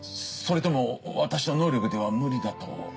それとも私の能力では無理だと？